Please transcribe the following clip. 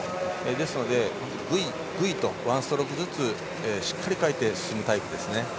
ですのでぐいぐいとワンストロークずつしっかりかいて進むタイプですね。